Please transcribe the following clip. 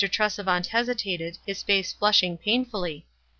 331 Tresevant hesitated, his face flushing painfully.